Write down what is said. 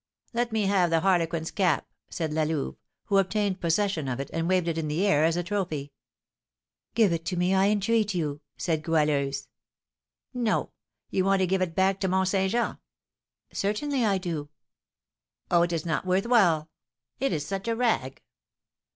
"Let me have the harlequin's cap," said La Louve, who obtained possession of it, and waved it in the air as a trophy. "Give it to me, I entreat you," said Goualeuse. "No! You want to give it back to Mont Saint Jean." "Certainly I do." "Oh, it is not worth while, it is such a rag."